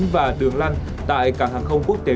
và đường lăng tại cảng hàng không quốc tế